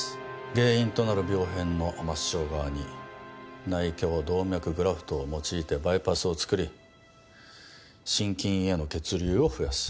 原因となる病変の末梢側に内胸動脈グラフトを用いてバイパスを作り心筋への血流を増やす。